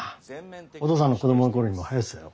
お父さんの子供の頃にもはやってたよ。